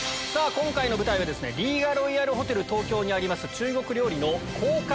今回の舞台はリーガロイヤルホテル東京にあります。